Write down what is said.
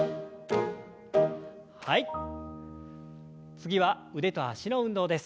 次は腕と脚の運動です。